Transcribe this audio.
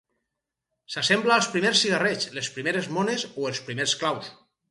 S'assembla als primers cigarrets, les primeres mones o els primers claus.